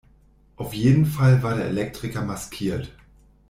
Auf jeden Fall war der Elektriker maskiert.